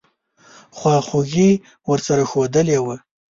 خواخوږي ورسره ښودلې وه.